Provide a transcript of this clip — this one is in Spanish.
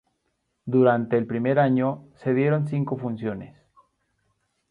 Durante el primer año se dieron cinco funciones.